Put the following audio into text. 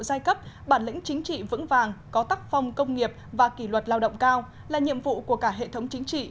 giai cấp bản lĩnh chính trị vững vàng có tắc phong công nghiệp và kỷ luật lao động cao là nhiệm vụ của cả hệ thống chính trị